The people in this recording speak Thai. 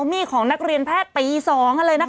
กรมป้องกันแล้วก็บรรเทาสาธารณภัยนะคะ